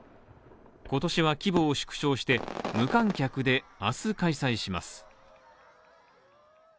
今年は規模を縮小して無観客で、明日開催します。